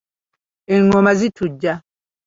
Enggoma zitujja.